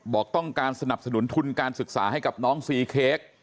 บอกต้องการสนับสนุนทุนการศึกษาให้กับน้องซีเค้ก